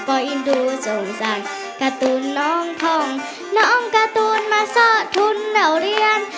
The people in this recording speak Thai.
พ่ออินดูสงสันกาตูนน้องทองน้องกาตูนมาส่อทุนเหล่าเรียน